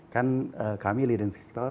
kan kami leading sector